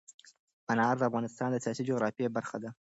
انار د افغانستان د سیاسي جغرافیه برخه ده.